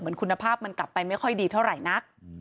เหมือนคุณภาพมันกลับไปไม่ค่อยดีเท่าไหร่นัก